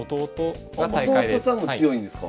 弟さんも強いんですか？